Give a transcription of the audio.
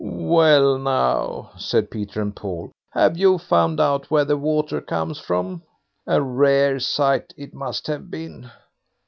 "Well now", said Peter and Paul, "have you found out where the water comes from? A rare sight it must have been!"